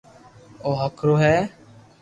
او ھڪرو ھي